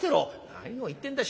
「何を言ってんだ？